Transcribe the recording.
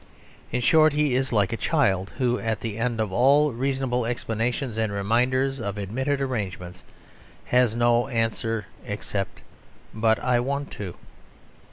In short, he is like a child, who at the end of all reasonable explanations and reminders of admitted arrangements, has no answer except "But I want to."